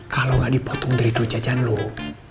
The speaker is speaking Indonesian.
kalo gak dipotong dari uang jajan lo